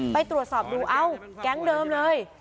ไปตรวจสอบดูเอ้าแก๊งเดิมเลย